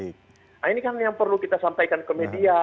nah ini kan yang perlu kita sampaikan ke media